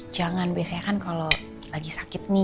jangan biasanya kan kalau lagi sakit nih